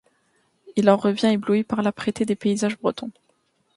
Il en revient ébloui par l'âpreté des paysages bretons.